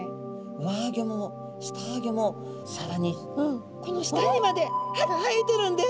上あギョも下あギョもさらにこの舌にまで歯が生えてるんです。